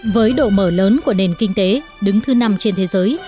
với độ mở lớn của nền kinh tế đứng thứ năm trên thế giới